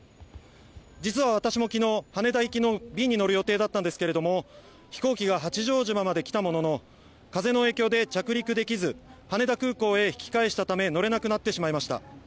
実は私も昨日羽田行きの便に乗る予定だったんですが飛行機が八丈島まで来たものの風の影響で着陸できず羽田空港へ引き返したため乗れなくなってしまいました。